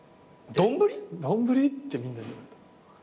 「丼？」ってみんなに言われた。